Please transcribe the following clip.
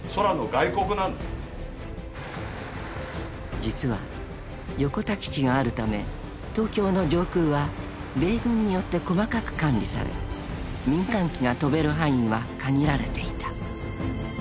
［実は横田基地があるため東京の上空は米軍によって細かく管理され民間機が飛べる範囲は限られていた］